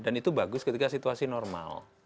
dan itu bagus ketika situasi normal